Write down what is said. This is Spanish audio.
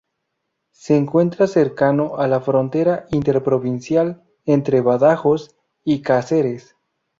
Se encuentra cercano a la frontera interprovincial entre Badajoz y Cáceres.